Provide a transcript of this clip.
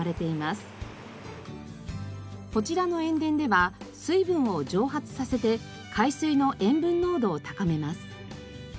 こちらの塩田では水分を蒸発させて海水の塩分濃度を高めます。